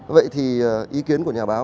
vậy thì ý kiến của nhà báo